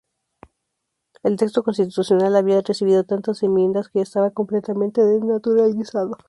El texto constitucional había recibido tantas enmiendas que estaba completamente desnaturalizado.